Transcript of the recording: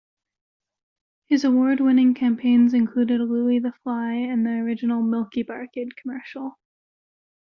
His award-winning campaigns included "Louie the Fly" and the original "Milkybar Kid" commercial.